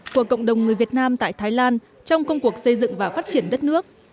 của cộng đồng người việt nam tại thái lan trong công cuộc xây dựng và phát triển đất nước